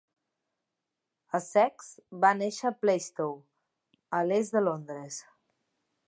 Essex va néixer a Plaistow, a l'est de Londres.